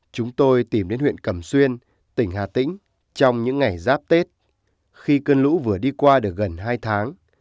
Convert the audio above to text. chúng tôi tìm đến huyện cẩm xuyên tỉnh hà tĩnh trong những ngày giáp tết khi cơn lũ vừa đi qua được gần hai tháng